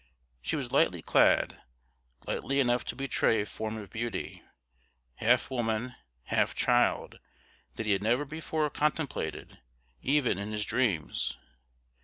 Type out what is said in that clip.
she was lightly clad lightly enough to betray a form of beauty, half woman, half child, that he had never before contemplated, even in his dreams!